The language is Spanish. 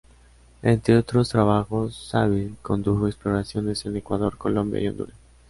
Entre otros trabajos, Saville condujo exploraciones en Ecuador, Colombia y Honduras.